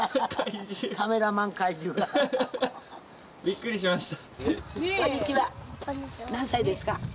びっくりしました。